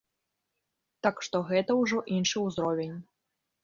Так што гэта ўжо іншы ўзровень.